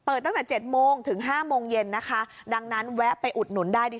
ตั้งแต่๗โมงถึงห้าโมงเย็นนะคะดังนั้นแวะไปอุดหนุนได้ดี